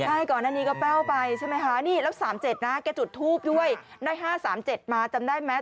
ใช่ก่อนหน้านี้ก็แป้วไปใช่ไหมคะนี่แล้ว๓๗นะแกจุดทูบด้วยได้๕๓๗มาจำได้ไหม